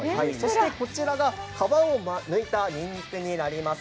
こちらが皮をむいたにんにくになります。